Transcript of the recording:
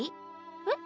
えっ？